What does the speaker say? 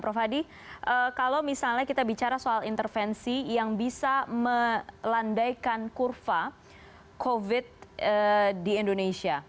prof hadi kalau misalnya kita bicara soal intervensi yang bisa melandaikan kurva covid di indonesia